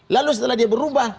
lalu setelah dia berubah